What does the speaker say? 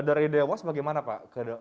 dari dewa bagaimana pak